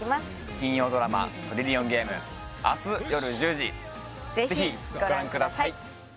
金曜ドラマ「トリリオンゲーム」明日よる１０時ぜひご覧ください